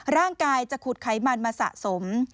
ร่างกายจะขุดไขมันมาสะสม